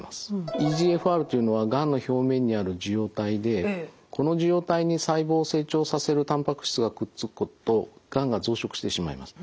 ＥＧＦＲというのはがんの表面にある受容体でこの受容体に細胞を成長させるたんぱく質がくっつくとがんが増殖してしまいます。